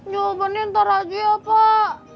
jawabannya ntar aja ya pak